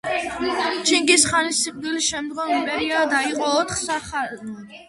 ჩინგის ხანის სიკვდილის შემდგომ იმპერია დაიყო ოთხ სახანოდ.